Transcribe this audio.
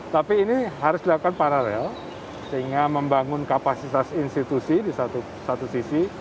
tapi ini harus dilakukan paralel sehingga membangun kapasitas institusi di satu sisi